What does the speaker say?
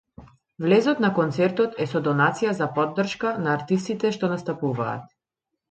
Влезот на концертот е со донација за поддршка на артистите што настапуваат.